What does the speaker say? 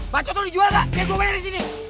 bacot lo dijual gak biar gue banyak disini